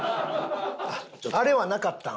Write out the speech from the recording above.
あれはなかったん？